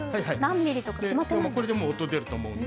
これでもう音が出ると思うので。